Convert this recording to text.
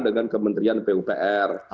dengan kementerian pupr